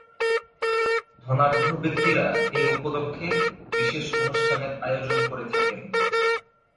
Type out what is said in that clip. ধনাঢ্য ব্যক্তিরা এ উপলক্ষে বিশেষ অনুষ্ঠানের আয়োজন করে থাকেন।